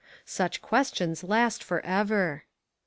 Such questions last forever.